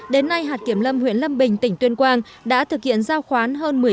đến nay hạt kiểm lâm huyện lâm bình tỉnh tuyên quang đã thực hiện giao khoán hơn một mươi triệu đồng